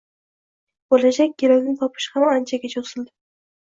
Bo`lajak kelinni topish ham anchaga cho`zildi